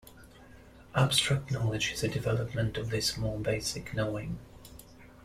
Abstract knowledge is a development of this more basic knowing.